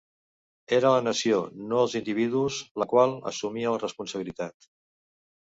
Era la Nació, no els individus, la qual assumia la responsabilitat.